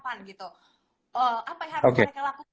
oh apa yang harus mereka lakukan